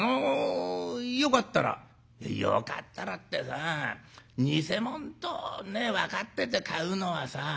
「『よかったら』ってさあ偽物とねえ分かってて買うのはさあ」。